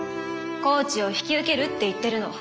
コーチを引き受けるって言ってるの。